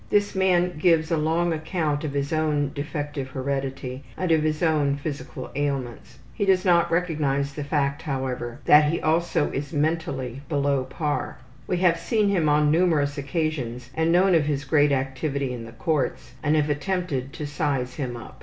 This man gives us a long account of his own defective heredity and of his own physical ailments. He does not recognize the fact, however, that he also is mentally below par. We have seen him on numerous occasions and known of his great activity in the courts, and have attempted to size him up.